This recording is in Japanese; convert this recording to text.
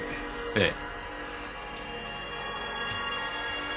ええ。